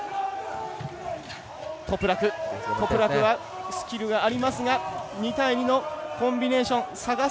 トプラクはスキルがありますが２対２のコンビネーション。